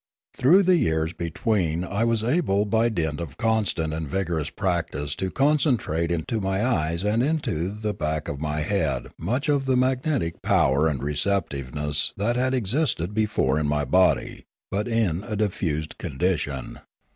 Through the years between I was able by dint of constant and vigorous practice to concentrate into my eyes and into the back of my head much of the magnetic power and receptiveness that had existed before in my body, but in a diffused condition.